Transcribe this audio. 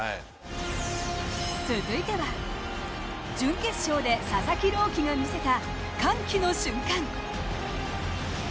続いては、準決勝で佐々木朗希が見せた歓喜の瞬間。